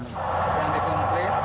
yang dikomplik dimiliki oleh saudara as